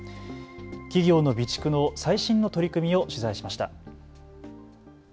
企業の備蓄の最新の取り組みを取材しました。